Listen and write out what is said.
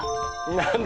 何だ？